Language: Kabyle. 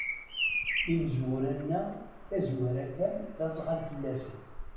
Imezwura-nneɣ, tazwara kan d aẓɣal fell-asen.